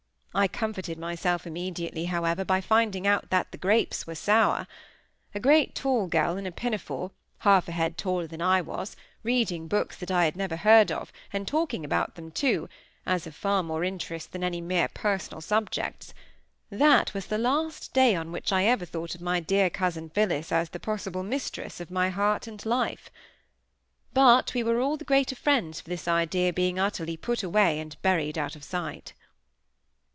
I comforted myself immediately, however, by finding out that the grapes were sour. A great tall girl in a pinafore, half a head taller than I was, reading books that I had never heard of, and talking about them too, as of far more interest than any mere personal subjects; that was the last day on which I ever thought of my dear cousin Phillis as the possible mistress of my heart and life. But we were all the greater friends for this idea being utterly put away and buried out of sight.